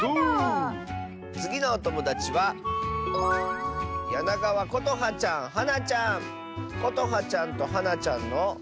つぎのおともだちはことはちゃんとはなちゃんの。